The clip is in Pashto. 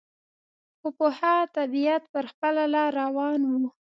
خو په ښه طبیعت پر خپله لار روان و.